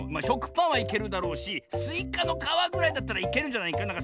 しょくパンはいけるだろうしスイカのかわぐらいだったらいけるんじゃないか。